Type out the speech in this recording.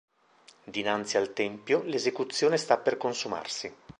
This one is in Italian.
Dinanzi al tempio, l'esecuzione sta per consumarsi.